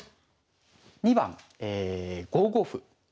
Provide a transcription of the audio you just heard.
２番５五歩。